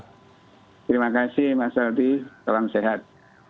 terima kasih mas aldi salam sehat